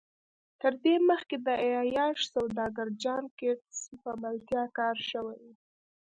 تر دې مخکې د عیاش سوداګر جان ګیټس په ملتیا کار شوی و